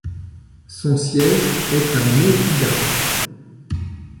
Son siège est à Naypyidaw.